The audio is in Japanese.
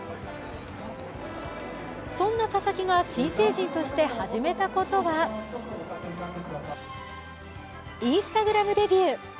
そんな佐々木が新成人として始めたことはＩｎｓｔａｇｒａｍデビュー。